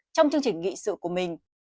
trong chương trình nghị sự của mình